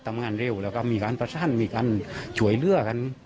งานเร็วแล้วก็มีการประชั่นมีการฉวยเรือกัน